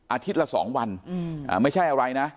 อาทิตย์ละสองวันอืมอ่าไม่ใช่อะไรนะ